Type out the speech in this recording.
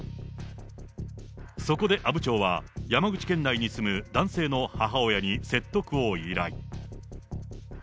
そこで阿武町は、山口県内に住む男性の母親に説得を依頼。